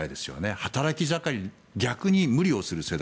働き盛り逆に無理をする世代。